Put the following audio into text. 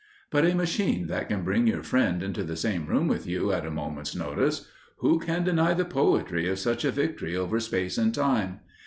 But a machine that can bring your friend into the same room with you, at a moment's notice, who can deny the poetry of such a victory over space and time!